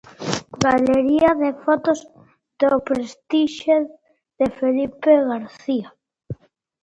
Galería de fotos do "Prestixe" de Filipe García.